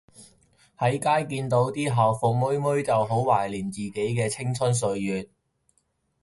喺街見到啲校服妹妹就好懷緬自己嘅青春歲月